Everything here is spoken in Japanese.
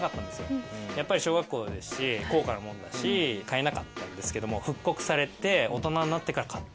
小学校ですし高価なもんだし買えなかったんですけども復刻されて大人になってから買って。